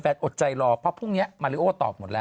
อดใจรอเพราะพรุ่งนี้มาริโอตอบหมดแล้ว